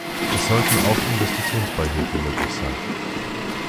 Es sollten auch Investitionsbeihilfen möglich sein.